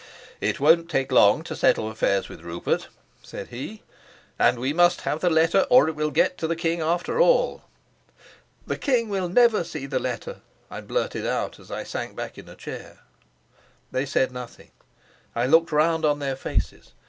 "It won't take long to settle affairs with Rupert," said he. "And we must have the letter, or it will get to the king after all." "The king will never see the letter," I blurted out, as I sank back in a chair. They said nothing. I looked round on their faces.